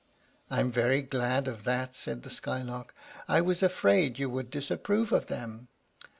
"I am very glad of that," said the Skylark. "I was afraid you would disapprove of them."